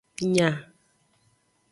Nya.